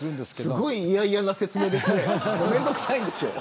すごい嫌々な説明ですね。